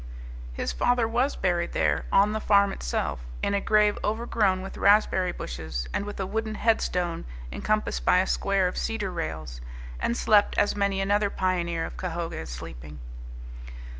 His father was buried there, on the farm itself, in a grave overgrown with raspberry bushes, and with a wooden headstone encompassed by a square of cedar rails, and slept as many another pioneer of Cahoga is sleeping.